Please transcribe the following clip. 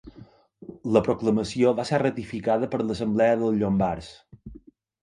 La proclamació va ser ratificada per l'assemblea dels llombards.